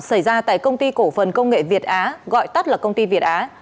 xảy ra tại công ty cổ phần công nghệ việt á gọi tắt là công ty việt á